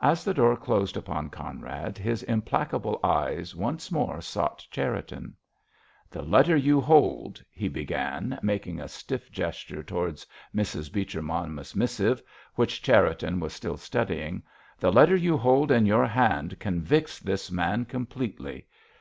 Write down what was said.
As the door closed upon Conrad, his implacable eyes once more sought Cherriton. "The letter you hold," he began, making a stiff gesture towards Mrs. Beecher Monmouth's missive, which Cherriton was still studying—"the letter you hold in your hand convicts this man completely.